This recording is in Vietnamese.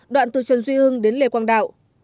đoạn từ trần duy hưng đến lê quang đạo